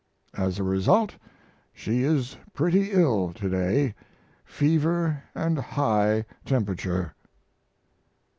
As a result she is pretty ill to day fever & high temperature.